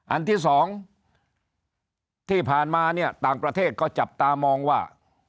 อันที่สองที่ผ่านมาเนี่ยต่างประเทศก็จับตามองว่า